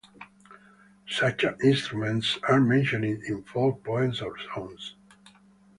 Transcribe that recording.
Such instruments are mentioned in folk poems or songs.